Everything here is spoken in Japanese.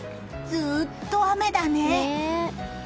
ずっと雨だね！